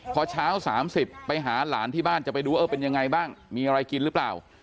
พอเช้า๓๐ไปหาหลานที่บ้านจะไปดูเออเป็นยังไงบ้างมีอะไรกินหรือเปล่า